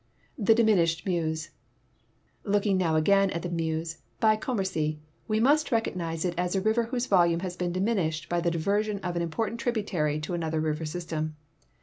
The (liniinished Meuse. — Looking now again at the Meuse l)y CommercN' we must recognize it as a river whose volume has been diminished by the diversion of an important tributary to another river .sj'stem.